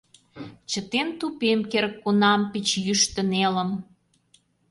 Чытен тупем керек-кунам пич йӱштӧ нелым.